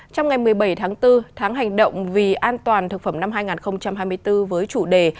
trong ngày một mươi bảy tháng bốn tháng hành động vì an toàn thực phẩm năm hai nghìn hai mươi bốn với chủ đề